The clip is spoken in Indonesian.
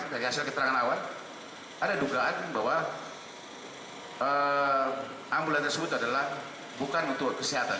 dari hasil keterangan awal ada dugaan bahwa ambulans tersebut adalah bukan untuk kesehatan